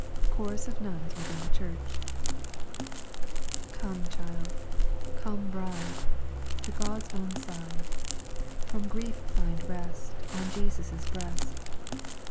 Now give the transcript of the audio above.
CHORUS OF NUNS WITHIN THE CHURCH Come child, come bride, To God's own side. From grief find rest On Jesus' breast.